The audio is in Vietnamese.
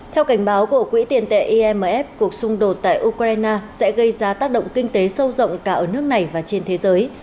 theo cảnh báo của quỹ tiền tệ imf cuộc xung đột tại ukraine sẽ gây ra tác động kinh tế sâu rộng cả ở nước này và trên thế giới